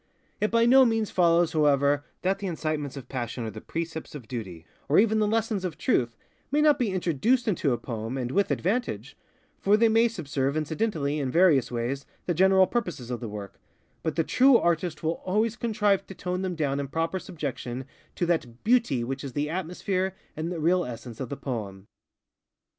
It by no means follows, however, that the incitements of PassionŌĆÖ or the precepts of Duty, or even the lessons of Truth, may not be introduced into a poem, and with advantage; for they may subserve incidentally, in various ways, the general purposes of the work: but the true artist will always contrive to tone them down in proper subjection to that _Beauty _which is the atmosphere and the real essence of the poem.